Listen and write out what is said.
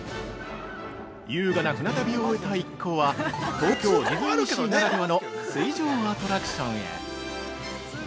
◆優雅な船旅を終えた一行は、東京ディズニーシーならではの水上アトラクションへ！